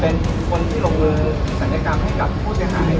เป็นคนที่ลงมือศัลยกรรมให้กับผู้เสียหาย